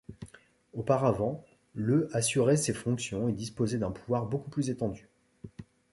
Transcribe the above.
Auparavant, le assurait ces fonctions et disposait d'un pouvoir beaucoup plus étendu.